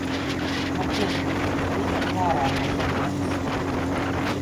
Man pietiek, viņa ir ārā no šejienes.